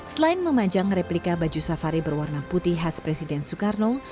selain memajang replika baju safari berwarna putih khas presiden soekarno